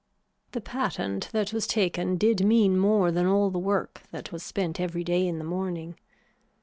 The patent that was taken did mean more than all the work that was spent every day in the morning.